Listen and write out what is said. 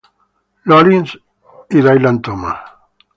Lawrence y Dylan Thomas.